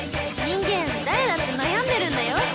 人間誰だって悩んでるんだよ。